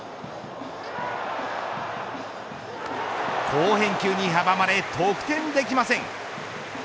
好返球に阻まれ得点できません。